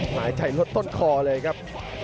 หายใจลดต้นคอเลยครับ